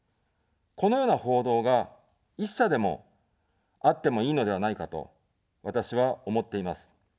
このような報道が１社でもあってもいいのではないかと、私は思っています。